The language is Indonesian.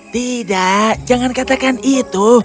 tidak jangan katakan itu